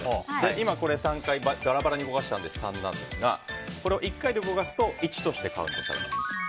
今、３回バラバラに動かしたので３なんですがこれを１回で動かすと１としてカウントされます。